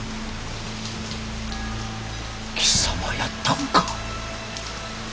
貴様やったんか。